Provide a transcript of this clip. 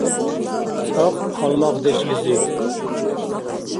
Цӏакь — гьалмагъдешлизиб